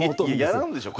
やらんでしょう